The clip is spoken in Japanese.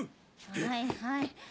はいはい。